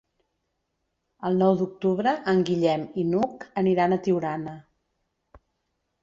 El nou d'octubre en Guillem i n'Hug aniran a Tiurana.